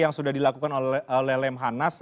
yang sudah dilakukan oleh lelem hanas